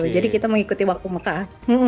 jadi kita mengikuti waktu mekah